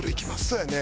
そうやね。